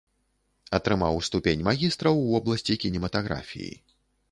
Атрымаў ступень магістра ў вобласці кінематаграфіі.